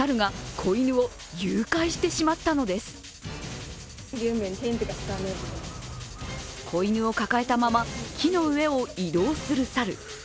子犬を抱えたまま、木の上を移動する猿。